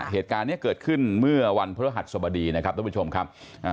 เหตุการณ์เนี้ยเกิดขึ้นเมื่อวันพฤหัสสบดีนะครับท่านผู้ชมครับ